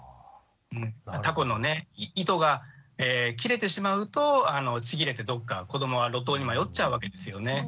たこの糸が切れてしまうとちぎれてどっか子どもは路頭に迷っちゃうわけですよね。